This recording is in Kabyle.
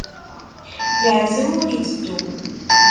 Yeɛzem ur itteddu.